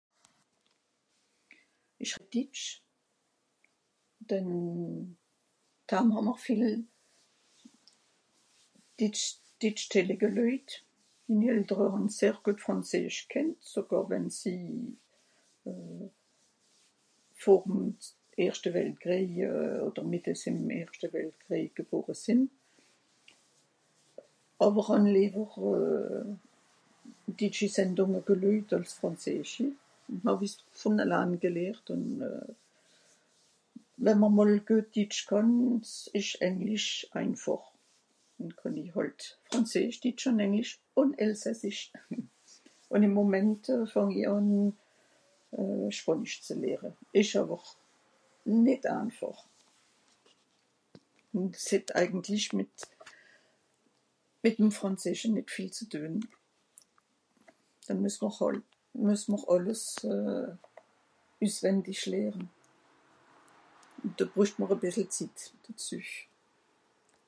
Ìch redd ditsch, dann dhaam hàà'mr viel ditsch...ditsch Télé geluejt. Minni Eltere hàn sehr güet frànzeesch kennt, sogàr wenn sie vor'm erschte Weltkrìej odder mìttes ìm erschte Weltkrìej gebore sìnn. Àwer hàn lìewer ditschi Sendùnge geluejt àls frànzeeschi. Hàw-i's vùn allaan gelehrt ùn, wenn mr mol guet ditsch kànn ìsch Englisch einfàch. Noh kànn i hàlt frànzeesch, ditsch ùn englisch ùn elsassisch. Ùn ìm Momente fàng i àn, spànisch ze lehre. Ìsch àwer nìt einfàch. S'het eigentlich mit... mìt'm Frànzeesche nìt vìel ze tuen. Dànn mues mr hàlt... mues mr àlles üswendisch lehre. Do brücht mr e bìssel Zitt, dezü.